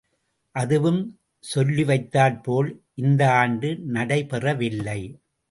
அதுவும் சொல்லிவைத்தாற்போல் இந்த ஆண்டு நடைபெறவில்லை!